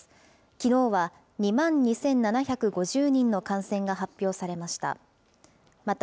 きのうは２万２７５０人の感染が発表されました。